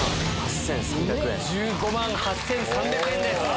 １５万８３００円。